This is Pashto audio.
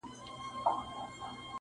سر دي و خورم که له درده بېګانه سوم-